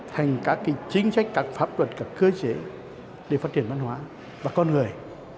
thành các chính sách các pháp luật các cơ chế để phát triển văn hóa và con người